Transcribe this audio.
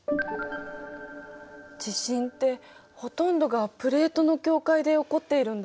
地震ってほとんどがプレートの境界で起こっているんだね。